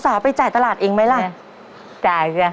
เอาไปจ่ายตลาดเองไหมล่ะจ่ายสิ